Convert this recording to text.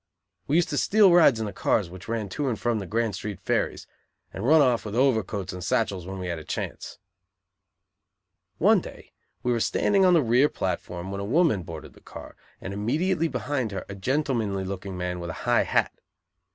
We used to steal rides in the cars which ran to and from the Grand Street ferries; and run off with overcoats and satchels when we had a chance. One day we were standing on the rear platform when a woman boarded the car, and immediately behind her a gentlemanly looking man with a high hat.